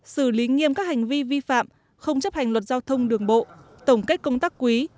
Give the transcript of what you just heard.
xử lý nghiêm các hành vi vi phạm không chấp hành luật giao thông đường bộ tổng kết công tác quý